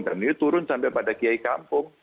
dan itu turun sampai pada kiai kampung